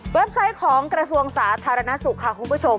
ไซต์ของกระทรวงสาธารณสุขค่ะคุณผู้ชม